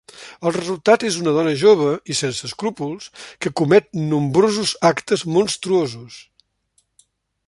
El resultat és una dona jove i sense escrúpols, que comet nombrosos actes monstruosos.